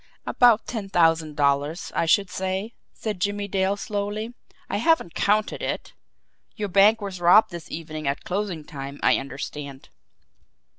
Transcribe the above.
"About ten thousand dollars, I should say," said Jimmie Dale slowly. "I haven't counted it. Your bank was robbed this evening at closing time, I understand?"